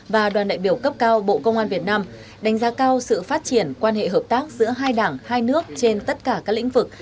và đoàn đại biểu cấp cao bộ công an việt nam đánh giá cao sự phát triển quan hệ hợp tác giữa hai đảng hai nước trên tất cả các lĩnh vực